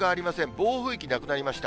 暴風域なくなりました。